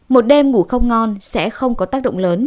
một đêm ngủ không ngon sẽ không có tác động lớn